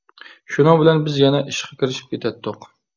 شۇنىڭ بىلەن بىز يەنە ئىشقا كىرىشىپ كېتەتتۇق.